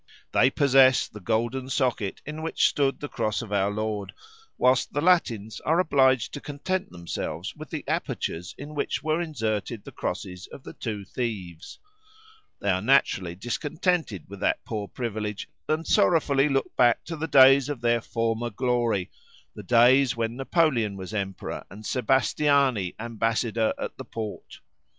They possess the golden socket in which stood the cross of our Lord whilst the Latins are obliged to content themselves with the apertures in which were inserted the crosses of the two thieves. They are naturally discontented with that poor privilege, and sorrowfully look back to the days of their former glory—the days when Napoleon was Emperor, and Sebastiani ambassador at the Porte.